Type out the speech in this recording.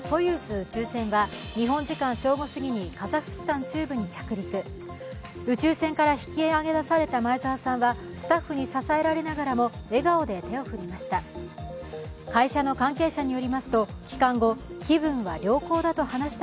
宇宙船から引き上げ出された前澤さんはスタッフに支えられながらも笑顔で手を振りました。